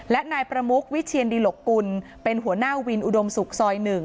และนายประมุกวิเชียนดิหลกกุลเป็นหัวหน้าวินอุดมศุกร์ซอย๑